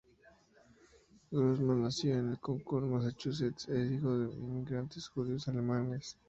Grossman nació en Concord, Massachusetts, es hijo de inmigrantes judíos alemanes.